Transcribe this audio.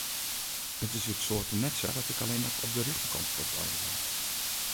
It is út soarte net sa dat ik allinne op de rjochterkant fuotbalje wol.